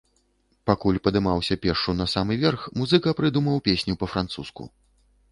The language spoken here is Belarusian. Пакуль падымаўся пешшу на самы верх, музыка прыдумаў песню па-французску.